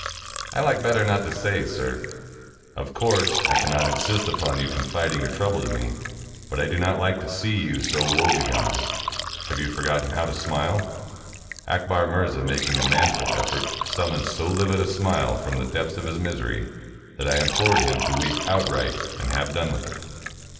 "I like better not to say, sir." "Of course, I cannot insist upon your confiding your trouble to me. But I do not like to see you so woebegone. Have you forgotten how to smile?" Akbar Mirza, making a manful effort, summoned so livid a smile from the depths of his misery, that I im plored him to weep outright and have done w^th it.